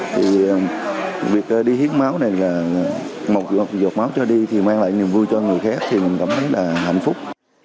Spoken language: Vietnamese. thì việc đi hiến máu này là một giọt máu cho đi thì mang lại niềm vui cho người khác thì mình cảm thấy là hạnh phúc